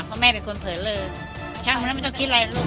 เพราะแม่เป็นคนเผลอเลอช่างคนนั้นไม่ต้องคิดอะไรลูก